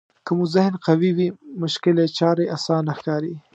که مو ذهن قوي وي مشکلې چارې اسانه ښکاري.